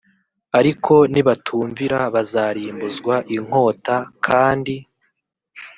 ariko nibatumvira bazarimbuzwa inkota kandi